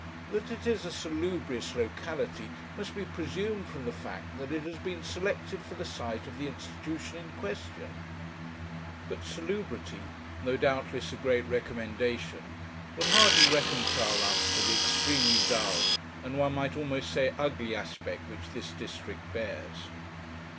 That it is a salubrious locality must be presumed from the fact that it has been selected for the site of the institution in question; but salubrity, though doubtless a great recommendation, would hardly reconcile us to the extremely dull, and one might almost say, ugly aspect which this district bears.